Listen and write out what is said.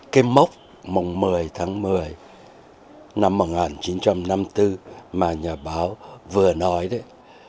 cái mốc mộng một mươi tháng một mươi năm một nghìn chín trăm năm mươi bốn mà nhà báo vừa nói đấy